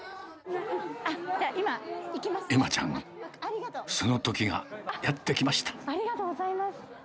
えまちゃん、そのときがやって来ました。